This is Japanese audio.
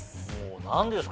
何ですか？